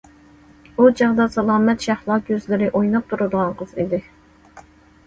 ئۇ چاغدا سالامەت شەھلا كۆزلىرى ئويناپ تۇرىدىغان قىز ئىدى.